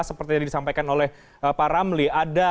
seperti yang disampaikan oleh pak ramli